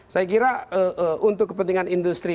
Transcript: saya kira untuk kepentingan industri